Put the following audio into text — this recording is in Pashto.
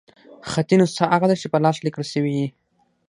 خطي نسخه هغه ده، چي په لاس ليکل سوې يي.